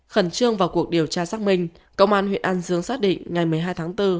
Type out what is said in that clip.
khẩn trương vào cuộc điều tra xác minh công an huyện an dương xác định ngày một mươi hai tháng bốn